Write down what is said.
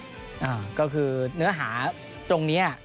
อ่าก็คือเนื้อหาตรงนี้